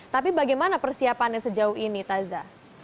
tapi bagaimana persiapannya sejauh ini taza